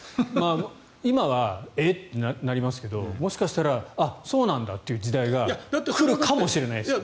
今はえっ？ってなりますけどもしかしたらそうなんだという時代が来るかもしれないですよ。